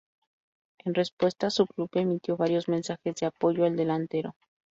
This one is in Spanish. En respuesta, su club emitió varios mensajes de apoyo al delantero.